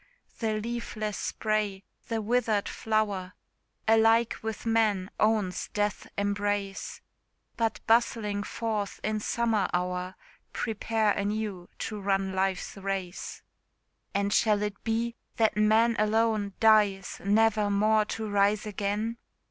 The leafless spray, the withered flower, Alike with man owns death's embrace; But bustling forth, in summer hour, Prepare anew to run life's race. And shall it be, that man alone Dies, never more to rise again?